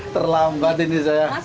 terlambat ini saya